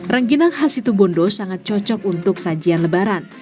rengginang khas situ bondo sangat cocok untuk sajian lebaran